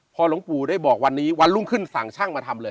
พอหลวงปู่ได้บอกวันนี้วันรุ่งขึ้นสั่งช่างมาทำเลย